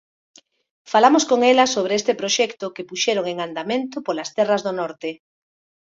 Falamos con ela sobre este proxecto que puxeron en andamento polas terras do Norte.